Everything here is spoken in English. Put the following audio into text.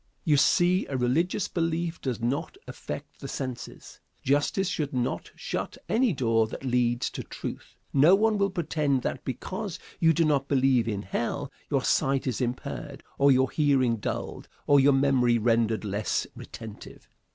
You see, a religious belief does not affect the senses. Justice should not shut any door that leads to truth. No one will pretend that, because you do not believe in hell, your sight is impaired, or your hearing dulled, or your memory rendered less retentive.